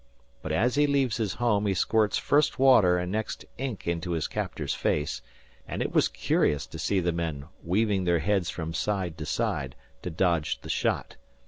But as he leaves his home he squirts first water and next ink into his captor's face; and it was curious to see the men weaving their heads from side to side to dodge the shot.